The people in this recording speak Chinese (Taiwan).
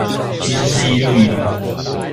其實是一路以來